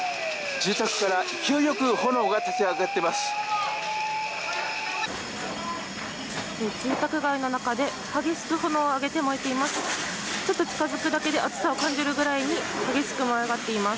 住宅から勢いよく炎が立ち上っています。